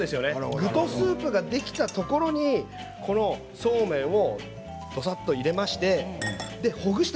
具とスープができたところにそうめんをどさっと入れましてほぐした